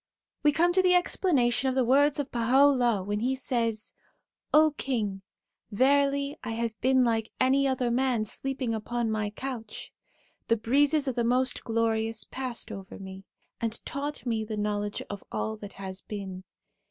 We come to the explanation of the words of Baha' u'llah when he says :' O King, verily I have been like any other man sleeping upon my couch ; the breezes of the Most Glorious passed over me, and taught me the knowledge of all that has been.